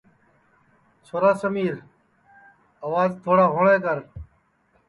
چھورا سمیر آواج تھوڑا ہوݪے کر